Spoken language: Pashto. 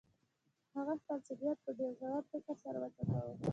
هغه خپل سګرټ په ډیر ژور فکر سره وڅکاوه.